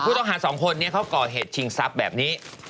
ต้องหาสองคนนี้เขาก่อเหตุชิงทรัพย์แบบนี้